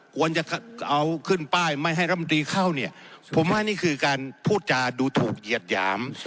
ควรจะเอาขึ้นป้ายไม่ให้รัฐมนตรีเข้าเนี่ยผมว่านี่คือการพูดจาดูถูกเหยียดหยาม